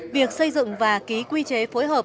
việc xây dựng và ký quy chế phối hợp